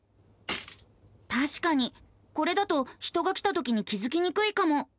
たしかにこれだと人が来たときに気付きにくいかも。